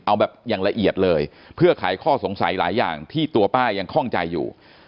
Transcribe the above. เอาแบบอย่างละเอียดเลยเพื่อขายข้อสงสัยหลายอย่างที่ตัวป้ายังคล่องใจอยู่